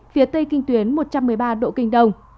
phía tây kinh tuyến một trăm một mươi ba độ kinh đông